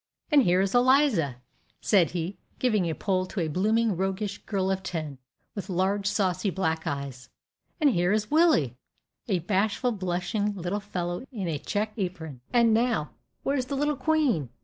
And here is Eliza," said he, giving a pull to a blooming, roguish girl of ten, with large, saucy black eyes. "And here is Willie!" a bashful, blushing little fellow in a checked apron. "And now, where's the little queen?